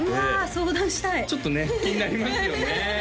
相談したいちょっとね気になりますよね